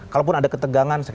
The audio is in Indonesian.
kalaupun ada ketegangan